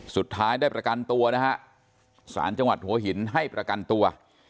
สุดท้ายได้ประกันตัวนะฮะสารจังหวัดหัวหินให้ประกันตัว